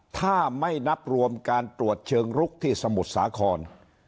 ถ้าไม่นับรวมการตรวจเชิงลุกที่สมุทรสาคร